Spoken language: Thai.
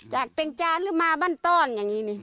จากเป็นจานหรือมาบ้านต้อนอย่างนี้นี่